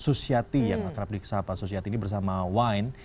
susiati ya makrab dik sapa susiati ini bersama wain